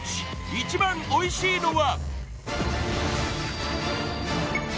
一番おいしいのは！？